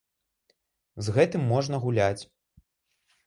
З гэтым можна гуляць.